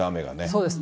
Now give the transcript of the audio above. そうです。